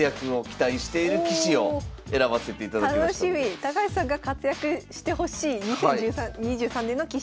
高橋さんが活躍してほしい２０２３年の棋士。